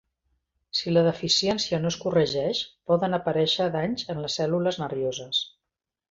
Si la deficiència no es corregeix, poden aparèixer danys en les cèl·lules nervioses.